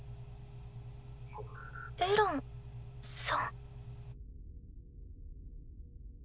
エランさん？